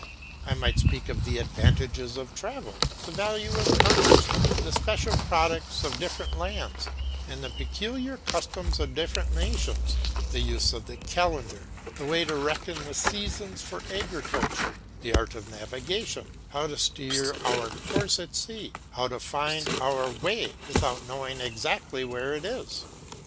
I might speak of the advantages of travel, the value of commerce, the special products of different lands and the peculiar customs of different nations, the use of the calendar, the way to reckon the seasons for agriculture, the art of navigation, how to steer our course at sea, how to find our way without knowing exactly where we are.